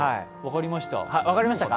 はい、分かりました。